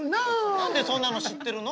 何でそんなの知ってるの？